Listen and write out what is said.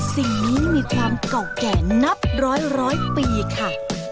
สิ่งนี้มีความเก่าแก่นับร้อยปีค่ะ